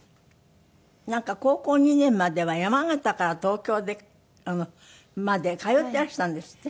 なんか高校２年までは山形から東京まで通ってらしたんですって？